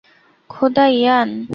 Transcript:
খোদা, ইয়ান!